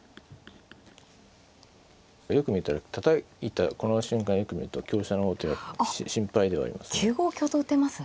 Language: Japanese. よく見たらたたいたこの瞬間よく見ると香車の王手心配ではありますね。